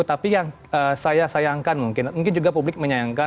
tapi yang saya sayangkan mungkin juga publik menyayangkan